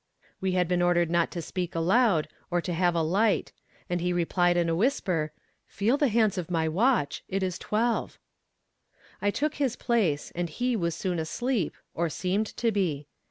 We had been ordered not to speak aloud, or to have a light; and he replied in a whisper, 'Feel the hands of my watch it is twelve.' "I took his place, and he was soon asleep, or seemed to be.